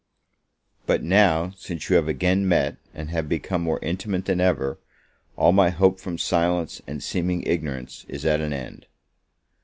But, now, since you have again met, and have become more intimate than ever, all my hope from silence and seeming ignorance is at an end.